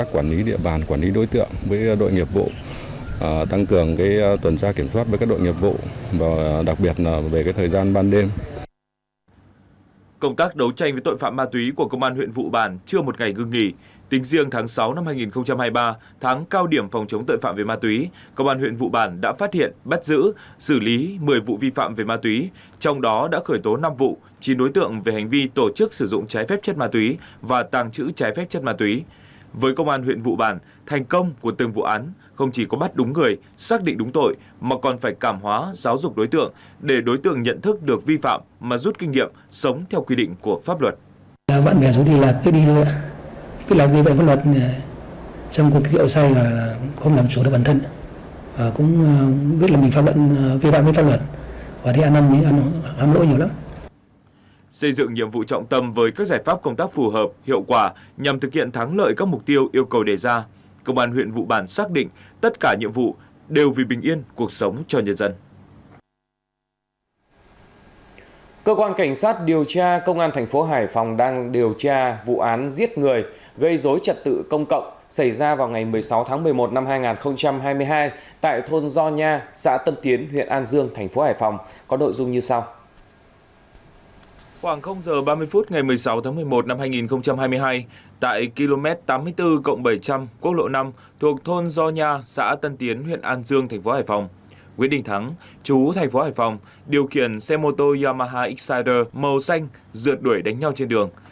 quyết định thắng chú thành phố hải phòng điều kiện xe mô tô yamaha exciter màu xanh dượt đuổi đánh nhau trên đường